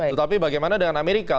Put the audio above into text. tetapi bagaimana dengan amerika